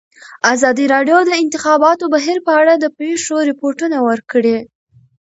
ازادي راډیو د د انتخاباتو بهیر په اړه د پېښو رپوټونه ورکړي.